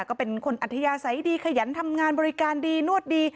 ก็เป็นคนอัธยาศัยดีขยันทำงานบริการดีนวดดี